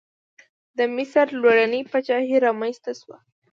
د مصر لومړنۍ پاچاهي رامنځته شوه.